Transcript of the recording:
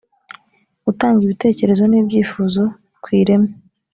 gutanga ibitekerezo n ibyifuzo ku ireme